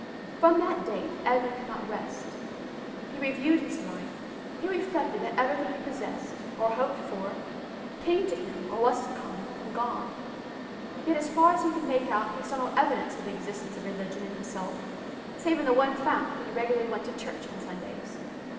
From that date Edwin could not rest. He reviewed his life. He reflected that everything he possessed, or hoped for, came to him, or was to come, from God; yet as far as he could make out he saw no evidence of the existence of religion in himself save in the one fact that he went regularly to church on Sundays.